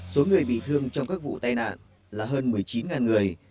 số người bị thương trong các vụ tai nạn là hơn một mươi chín người